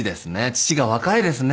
父が若いですね。